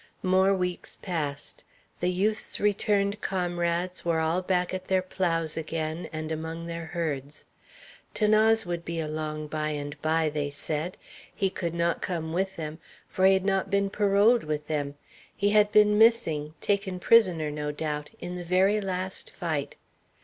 More weeks passed. The youth's returned comrades were all back at their ploughs again and among their herds. 'Thanase would be along by and by, they said; he could not come with them, for he had not been paroled with them; he had been missing taken prisoner, no doubt in the very last fight.